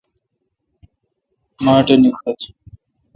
ماٹھ نیکتھ۔